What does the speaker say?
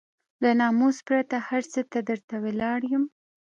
له ناموسه پرته هر څه ته درته ولاړ يم.